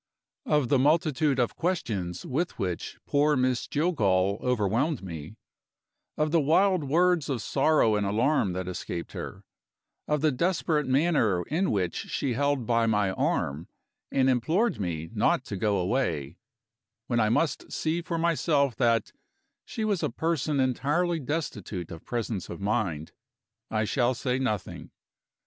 Of the multitude of questions with which poor Miss Jillgall overwhelmed me of the wild words of sorrow and alarm that escaped her of the desperate manner in which she held by my arm, and implored me not to go away, when I must see for myself that "she was a person entirely destitute of presence of mind" I shall say nothing.